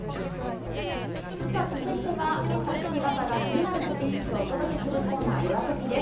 さぁ、続いては私、岩田が気になるトピックスをお届けするコーナー、いわトピです。